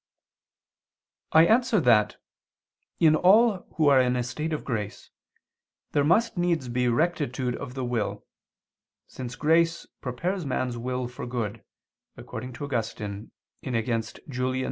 I answer that, In all who are in a state of grace, there must needs be rectitude of the will, since grace prepares man's will for good, according to Augustine (Contra Julian.